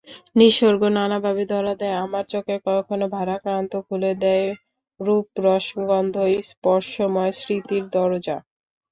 নিসর্গ নানাভাবে ধরা দেয় আমার চোখে—কখনো ভারাক্রান্ত, খুলে দেয় রূপরসগন্ধ—স্পর্শময় স্মৃতির দরোজা।